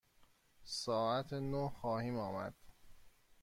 ساعت نه خواهیم آمد.